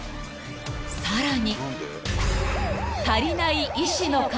さらに］